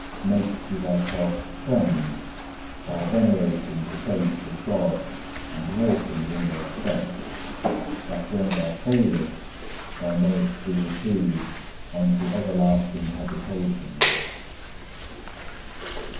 Make to thyself friends, by venerating the saints of God and walking in their steps, that when thou failest, thou mayest be received into everlasting habitations.